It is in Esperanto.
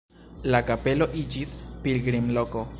La kapelo iĝis pilgrimloko.